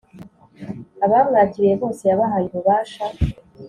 “abamwakiriye bose yabahaye ububasha